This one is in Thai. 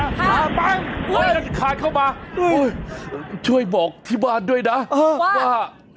ค่ะบ้างเอ้ยขาดเข้ามาช่วยบอกที่บ้านด้วยนะว่า